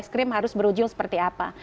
proses krim harus berujung seperti apa